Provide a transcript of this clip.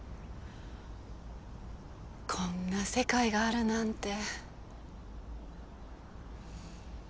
こんな世界があるなんて。